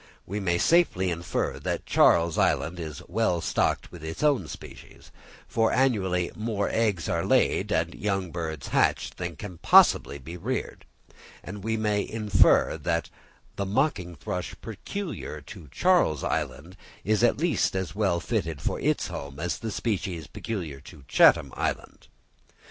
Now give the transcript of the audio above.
We may safely infer that Charles Island is well stocked with its own species, for annually more eggs are laid and young birds hatched than can possibly be reared; and we may infer that the mocking thrush peculiar to Charles Island is at least as well fitted for its home as is the species peculiar to Chatham Island.